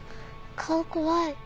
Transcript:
顔怖い。